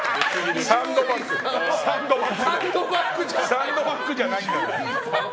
サンドバックじゃないんだから。